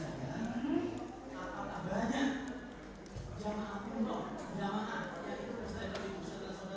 apakah itu sesuatu yang sudah by design